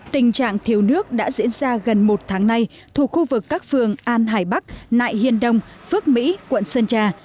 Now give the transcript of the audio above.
tình trạng thiếu nước đã diễn ra gần một tháng nay thuộc khu vực các phường an hải bắc nại hiên đông phước mỹ quận sơn trà